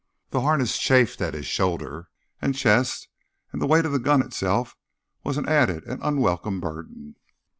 The harness chafed at his shoulder and chest and the weight of the gun itself was an added and unwelcome burden.